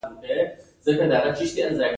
هغه یو بد لمنی پاچا پیژندل کیږي.